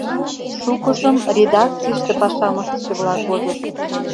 Шукыжым редакцийыште пашам ыштыше-влак возышт.